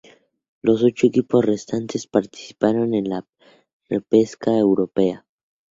Los ocho equipos restantes participaron en la repesca europea.